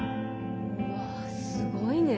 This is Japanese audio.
うわすごいね。